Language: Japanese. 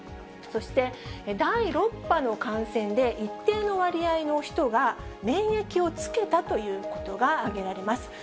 そして第６波の感染で一定の割合の人が、免疫をつけたということが挙げられます。